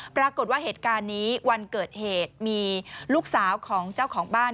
ปรากฏว่าเหตุการณ์นี้วันเกิดเหตุมีลูกสาวของเจ้าของบ้าน